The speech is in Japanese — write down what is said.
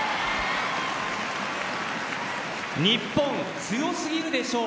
日本、強すぎるでしょう。